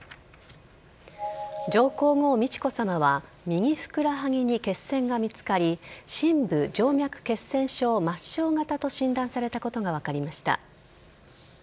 上皇后・美智子さまは右ふくらはぎに血栓が見つかり深部静脈血栓症・末梢型と診断されたことが分かりました。